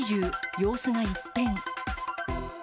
様子が一変。